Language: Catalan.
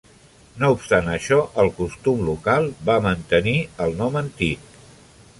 No obstant això, el costum local va mantenir el nom antic.